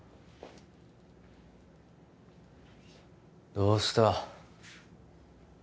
どうした？